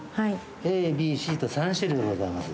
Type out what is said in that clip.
ＡＢＣと３種類ございます。